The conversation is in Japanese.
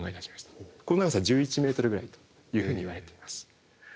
この長さ１１ｍぐらいというふうにいわれています。